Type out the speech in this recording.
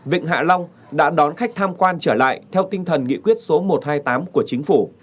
vịnh hạ long đã đón khách tham quan trở lại theo tinh thần nghị quyết số một trăm hai mươi tám của chính phủ